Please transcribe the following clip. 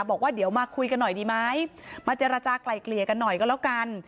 บอกว่าเดี๋ยวมาคุยกันหน่อยดีไหมมาเจรจากลายเกลี่ยกันหน่อยก็แล้วกัน